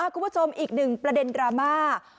คุณผู้ชมอีกหนึ่งประเด็นดราม่า